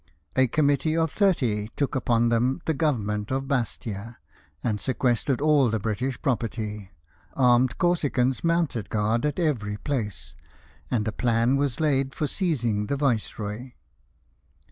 A committee of thirty took upon them the government of Bastia, and sequestered all the British property ; armed Corsicans mounted guard at every place; and a plan was laid for seizing the viceroy.